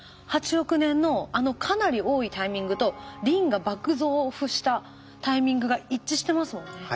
８億年のあのかなり多いタイミングとリンが爆増したタイミングが一致してますもんね。